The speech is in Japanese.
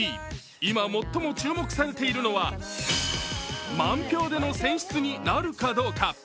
今最も注目されているのは満票での選出になるかどうか。